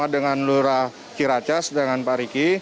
dengan lurah ciracas dengan pak riki